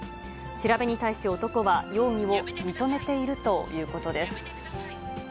調べに対し、男は容疑を認めているということです。